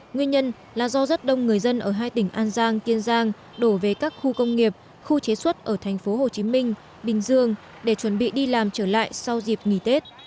nguyên nhân là do rất đông người dân ở hai tỉnh an giang kiên giang đổ về các khu công nghiệp khu chế xuất ở thành phố hồ chí minh bình dương để chuẩn bị đi làm trở lại sau dịp nghỉ tết